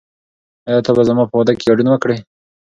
آیا ته به زما په واده کې ګډون وکړې؟